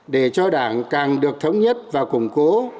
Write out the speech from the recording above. để cho đảng càng được thống nhất và củng cố